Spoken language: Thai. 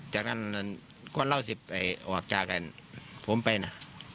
จากนั้นควรเหล่า๑๐ออกจากเองผมให้นะ